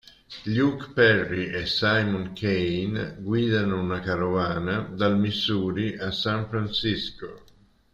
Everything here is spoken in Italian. Luke Perry e Simon Kane guidano una carovana dal Missouri a San Francisco.